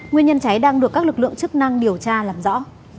nguyên nhân cháy đang được các lực lượng chức năng điều tra làm rõ